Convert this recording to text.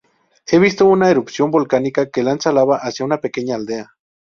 He visto una erupción volcánica que lanza lava hacia una pequeña aldea.